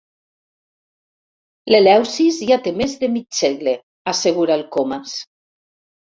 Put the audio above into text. L'Eleusis ja té més de mig segle —assegura el Comas—.